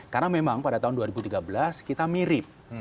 karena memang pada tahun dua ribu tiga belas kita mirip